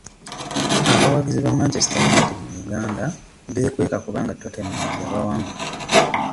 Abawagiza ba Manchester United mu Uganda beekweka kubanga Tottenham yabawangula.